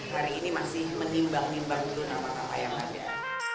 hari ini masih menimbang nimbang dulu nama nama yang ada